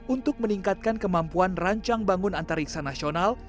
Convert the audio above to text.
untuk meningkatkan kemampuan rancang bangun antariksa nasional